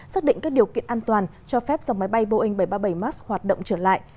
xác định các điều kiện an toàn cho phép dòng máy bay boeing bảy trăm ba mươi bảy max hoạt động trở lại